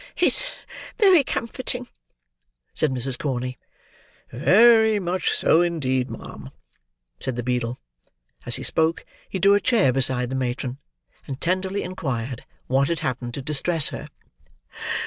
"It's very comforting," said Mrs. Corney. "Very much so indeed, ma'am," said the beadle. As he spoke, he drew a chair beside the matron, and tenderly inquired what had happened to distress her.